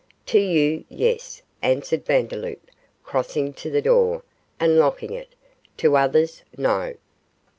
'To you yes,' answered Vandeloup, crossing to the door and locking it; 'to others no.